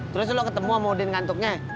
terus lo ketemu sama maudin ngantuknya